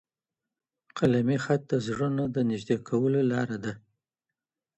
قلمي خط د زړونو د نږدې کولو لاره ده.